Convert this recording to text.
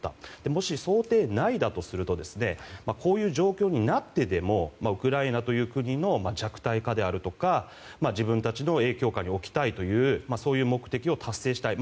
もし想定内だとするとこういう状況になってでもウクライナという国の弱体化であるとか自分たちの影響下に置きたいという目標を達成したい。